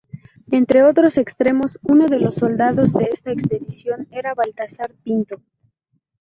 Entre otros extremeños, uno de los soldados de esta expedición era Baltasar Pinto.